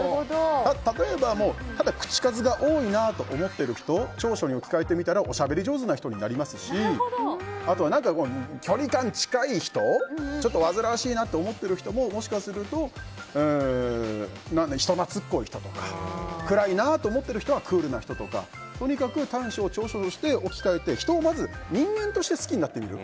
例えば口数が多いなと思ってる人は長所に置き換えてみたらおしゃべり上手な人になりますしあと距離感が近い人煩わしいなと思っている人ももしかすると人懐っこい人とか暗いなと思っている人とかはクールな人とかとにかく短所を長所として置き換えて人をまず人間として好きになってみる。